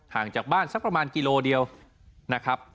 จากบ้านสักประมาณกิโลเดียวนะครับ